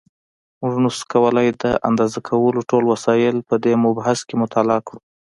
مونږ نشو کولای د اندازه کولو ټول وسایل په دې مبحث کې مطالعه کړو.